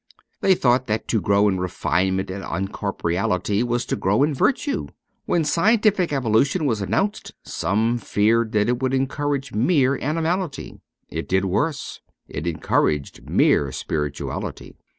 They thought that to grow in refinement and uncorporeality was to grow in virtue. When scientific evolution was announced, some feared that it would encourage mere animality. It did worse : it encouraged mere spirituality.